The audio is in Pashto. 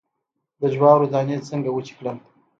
د جوارو دانی څنګه وچې کړم؟